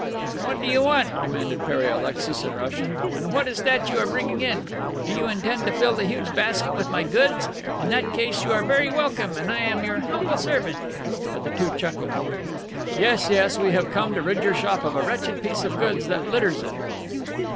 "What do you want?" demanded Pere Alexis in Russian, "and what is that you are bringing in? Do you intend to fill that huge basket with my goods? In that case you are very welcome and I am your humble servant." But the two chuckled. "Yes, yes, we have come to rid your shop of a wretched piece of goods that litters it."